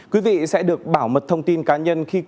quý vị sẽ được bảo mật thông tin cá nhân khi cung cấp thông tin